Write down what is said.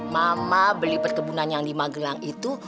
mama beli pet kebunan yang di magelang itu